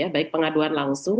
baik pengaduan lawan